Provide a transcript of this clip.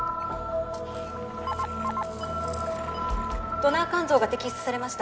ドナー肝臓が摘出されました。